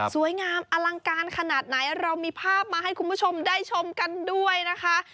สวยงามอลังการขนาดไหนเรามีภาพมาให้คุณผู้ชมได้ชมกันด้วยนะคะ